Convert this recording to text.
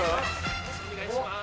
よろしくお願いします。